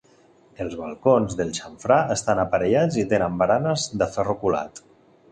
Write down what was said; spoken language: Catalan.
Els balcons del xamfrà estan aparellats i tenen baranes de ferro colat.